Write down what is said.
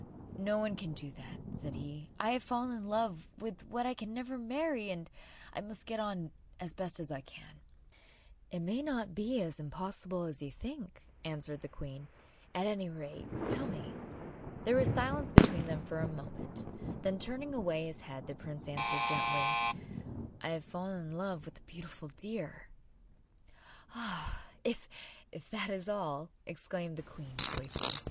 'No one can do that,' said he. 'I have fallen in love with what I can never marry, and I must get on as best I can.' 'It may not be as impossible as you think,' answered the queen. 'At any rate, tell me.' There was silence between them for a moment, then, turning away his head, the prince answered gently: 'I have fallen in love with a beautiful deer!' 'Ah, if that is all,' exclaimed the queen joyfully.